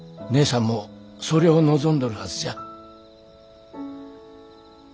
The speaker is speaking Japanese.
義姉さんもそりょお望んどるはずじゃ。